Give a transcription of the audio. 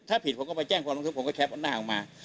ถ้าผิดของเขาลองแจ้งเพราะลงทุนผมก็แคปขนาดออกมา